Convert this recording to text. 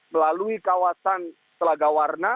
melalui kawasan telaga warna